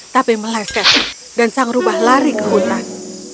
tapi meleset dan sang rubah lari ke hutan